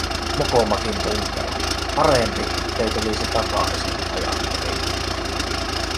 Mokomakin punkero, parempi, ettei tulisi takaisin, ajattelin.